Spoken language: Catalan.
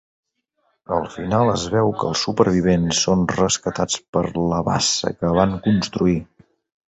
Al final es veu que els supervivents són rescatats per la bassa que van construir.